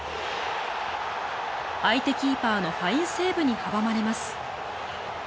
相手キーパーのファインセーブに阻まれます。